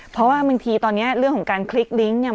เพราะว่าบางทีตอนนี้เรื่องของการคลิกลิงก์เนี่ย